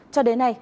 cho đến nay